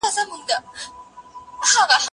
ته ولي وخت تېروې،